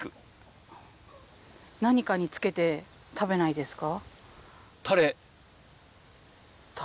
何かにつけて食べないですか。